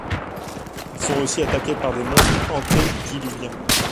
Ils sont aussi attaqués par des monstres antédiluviens.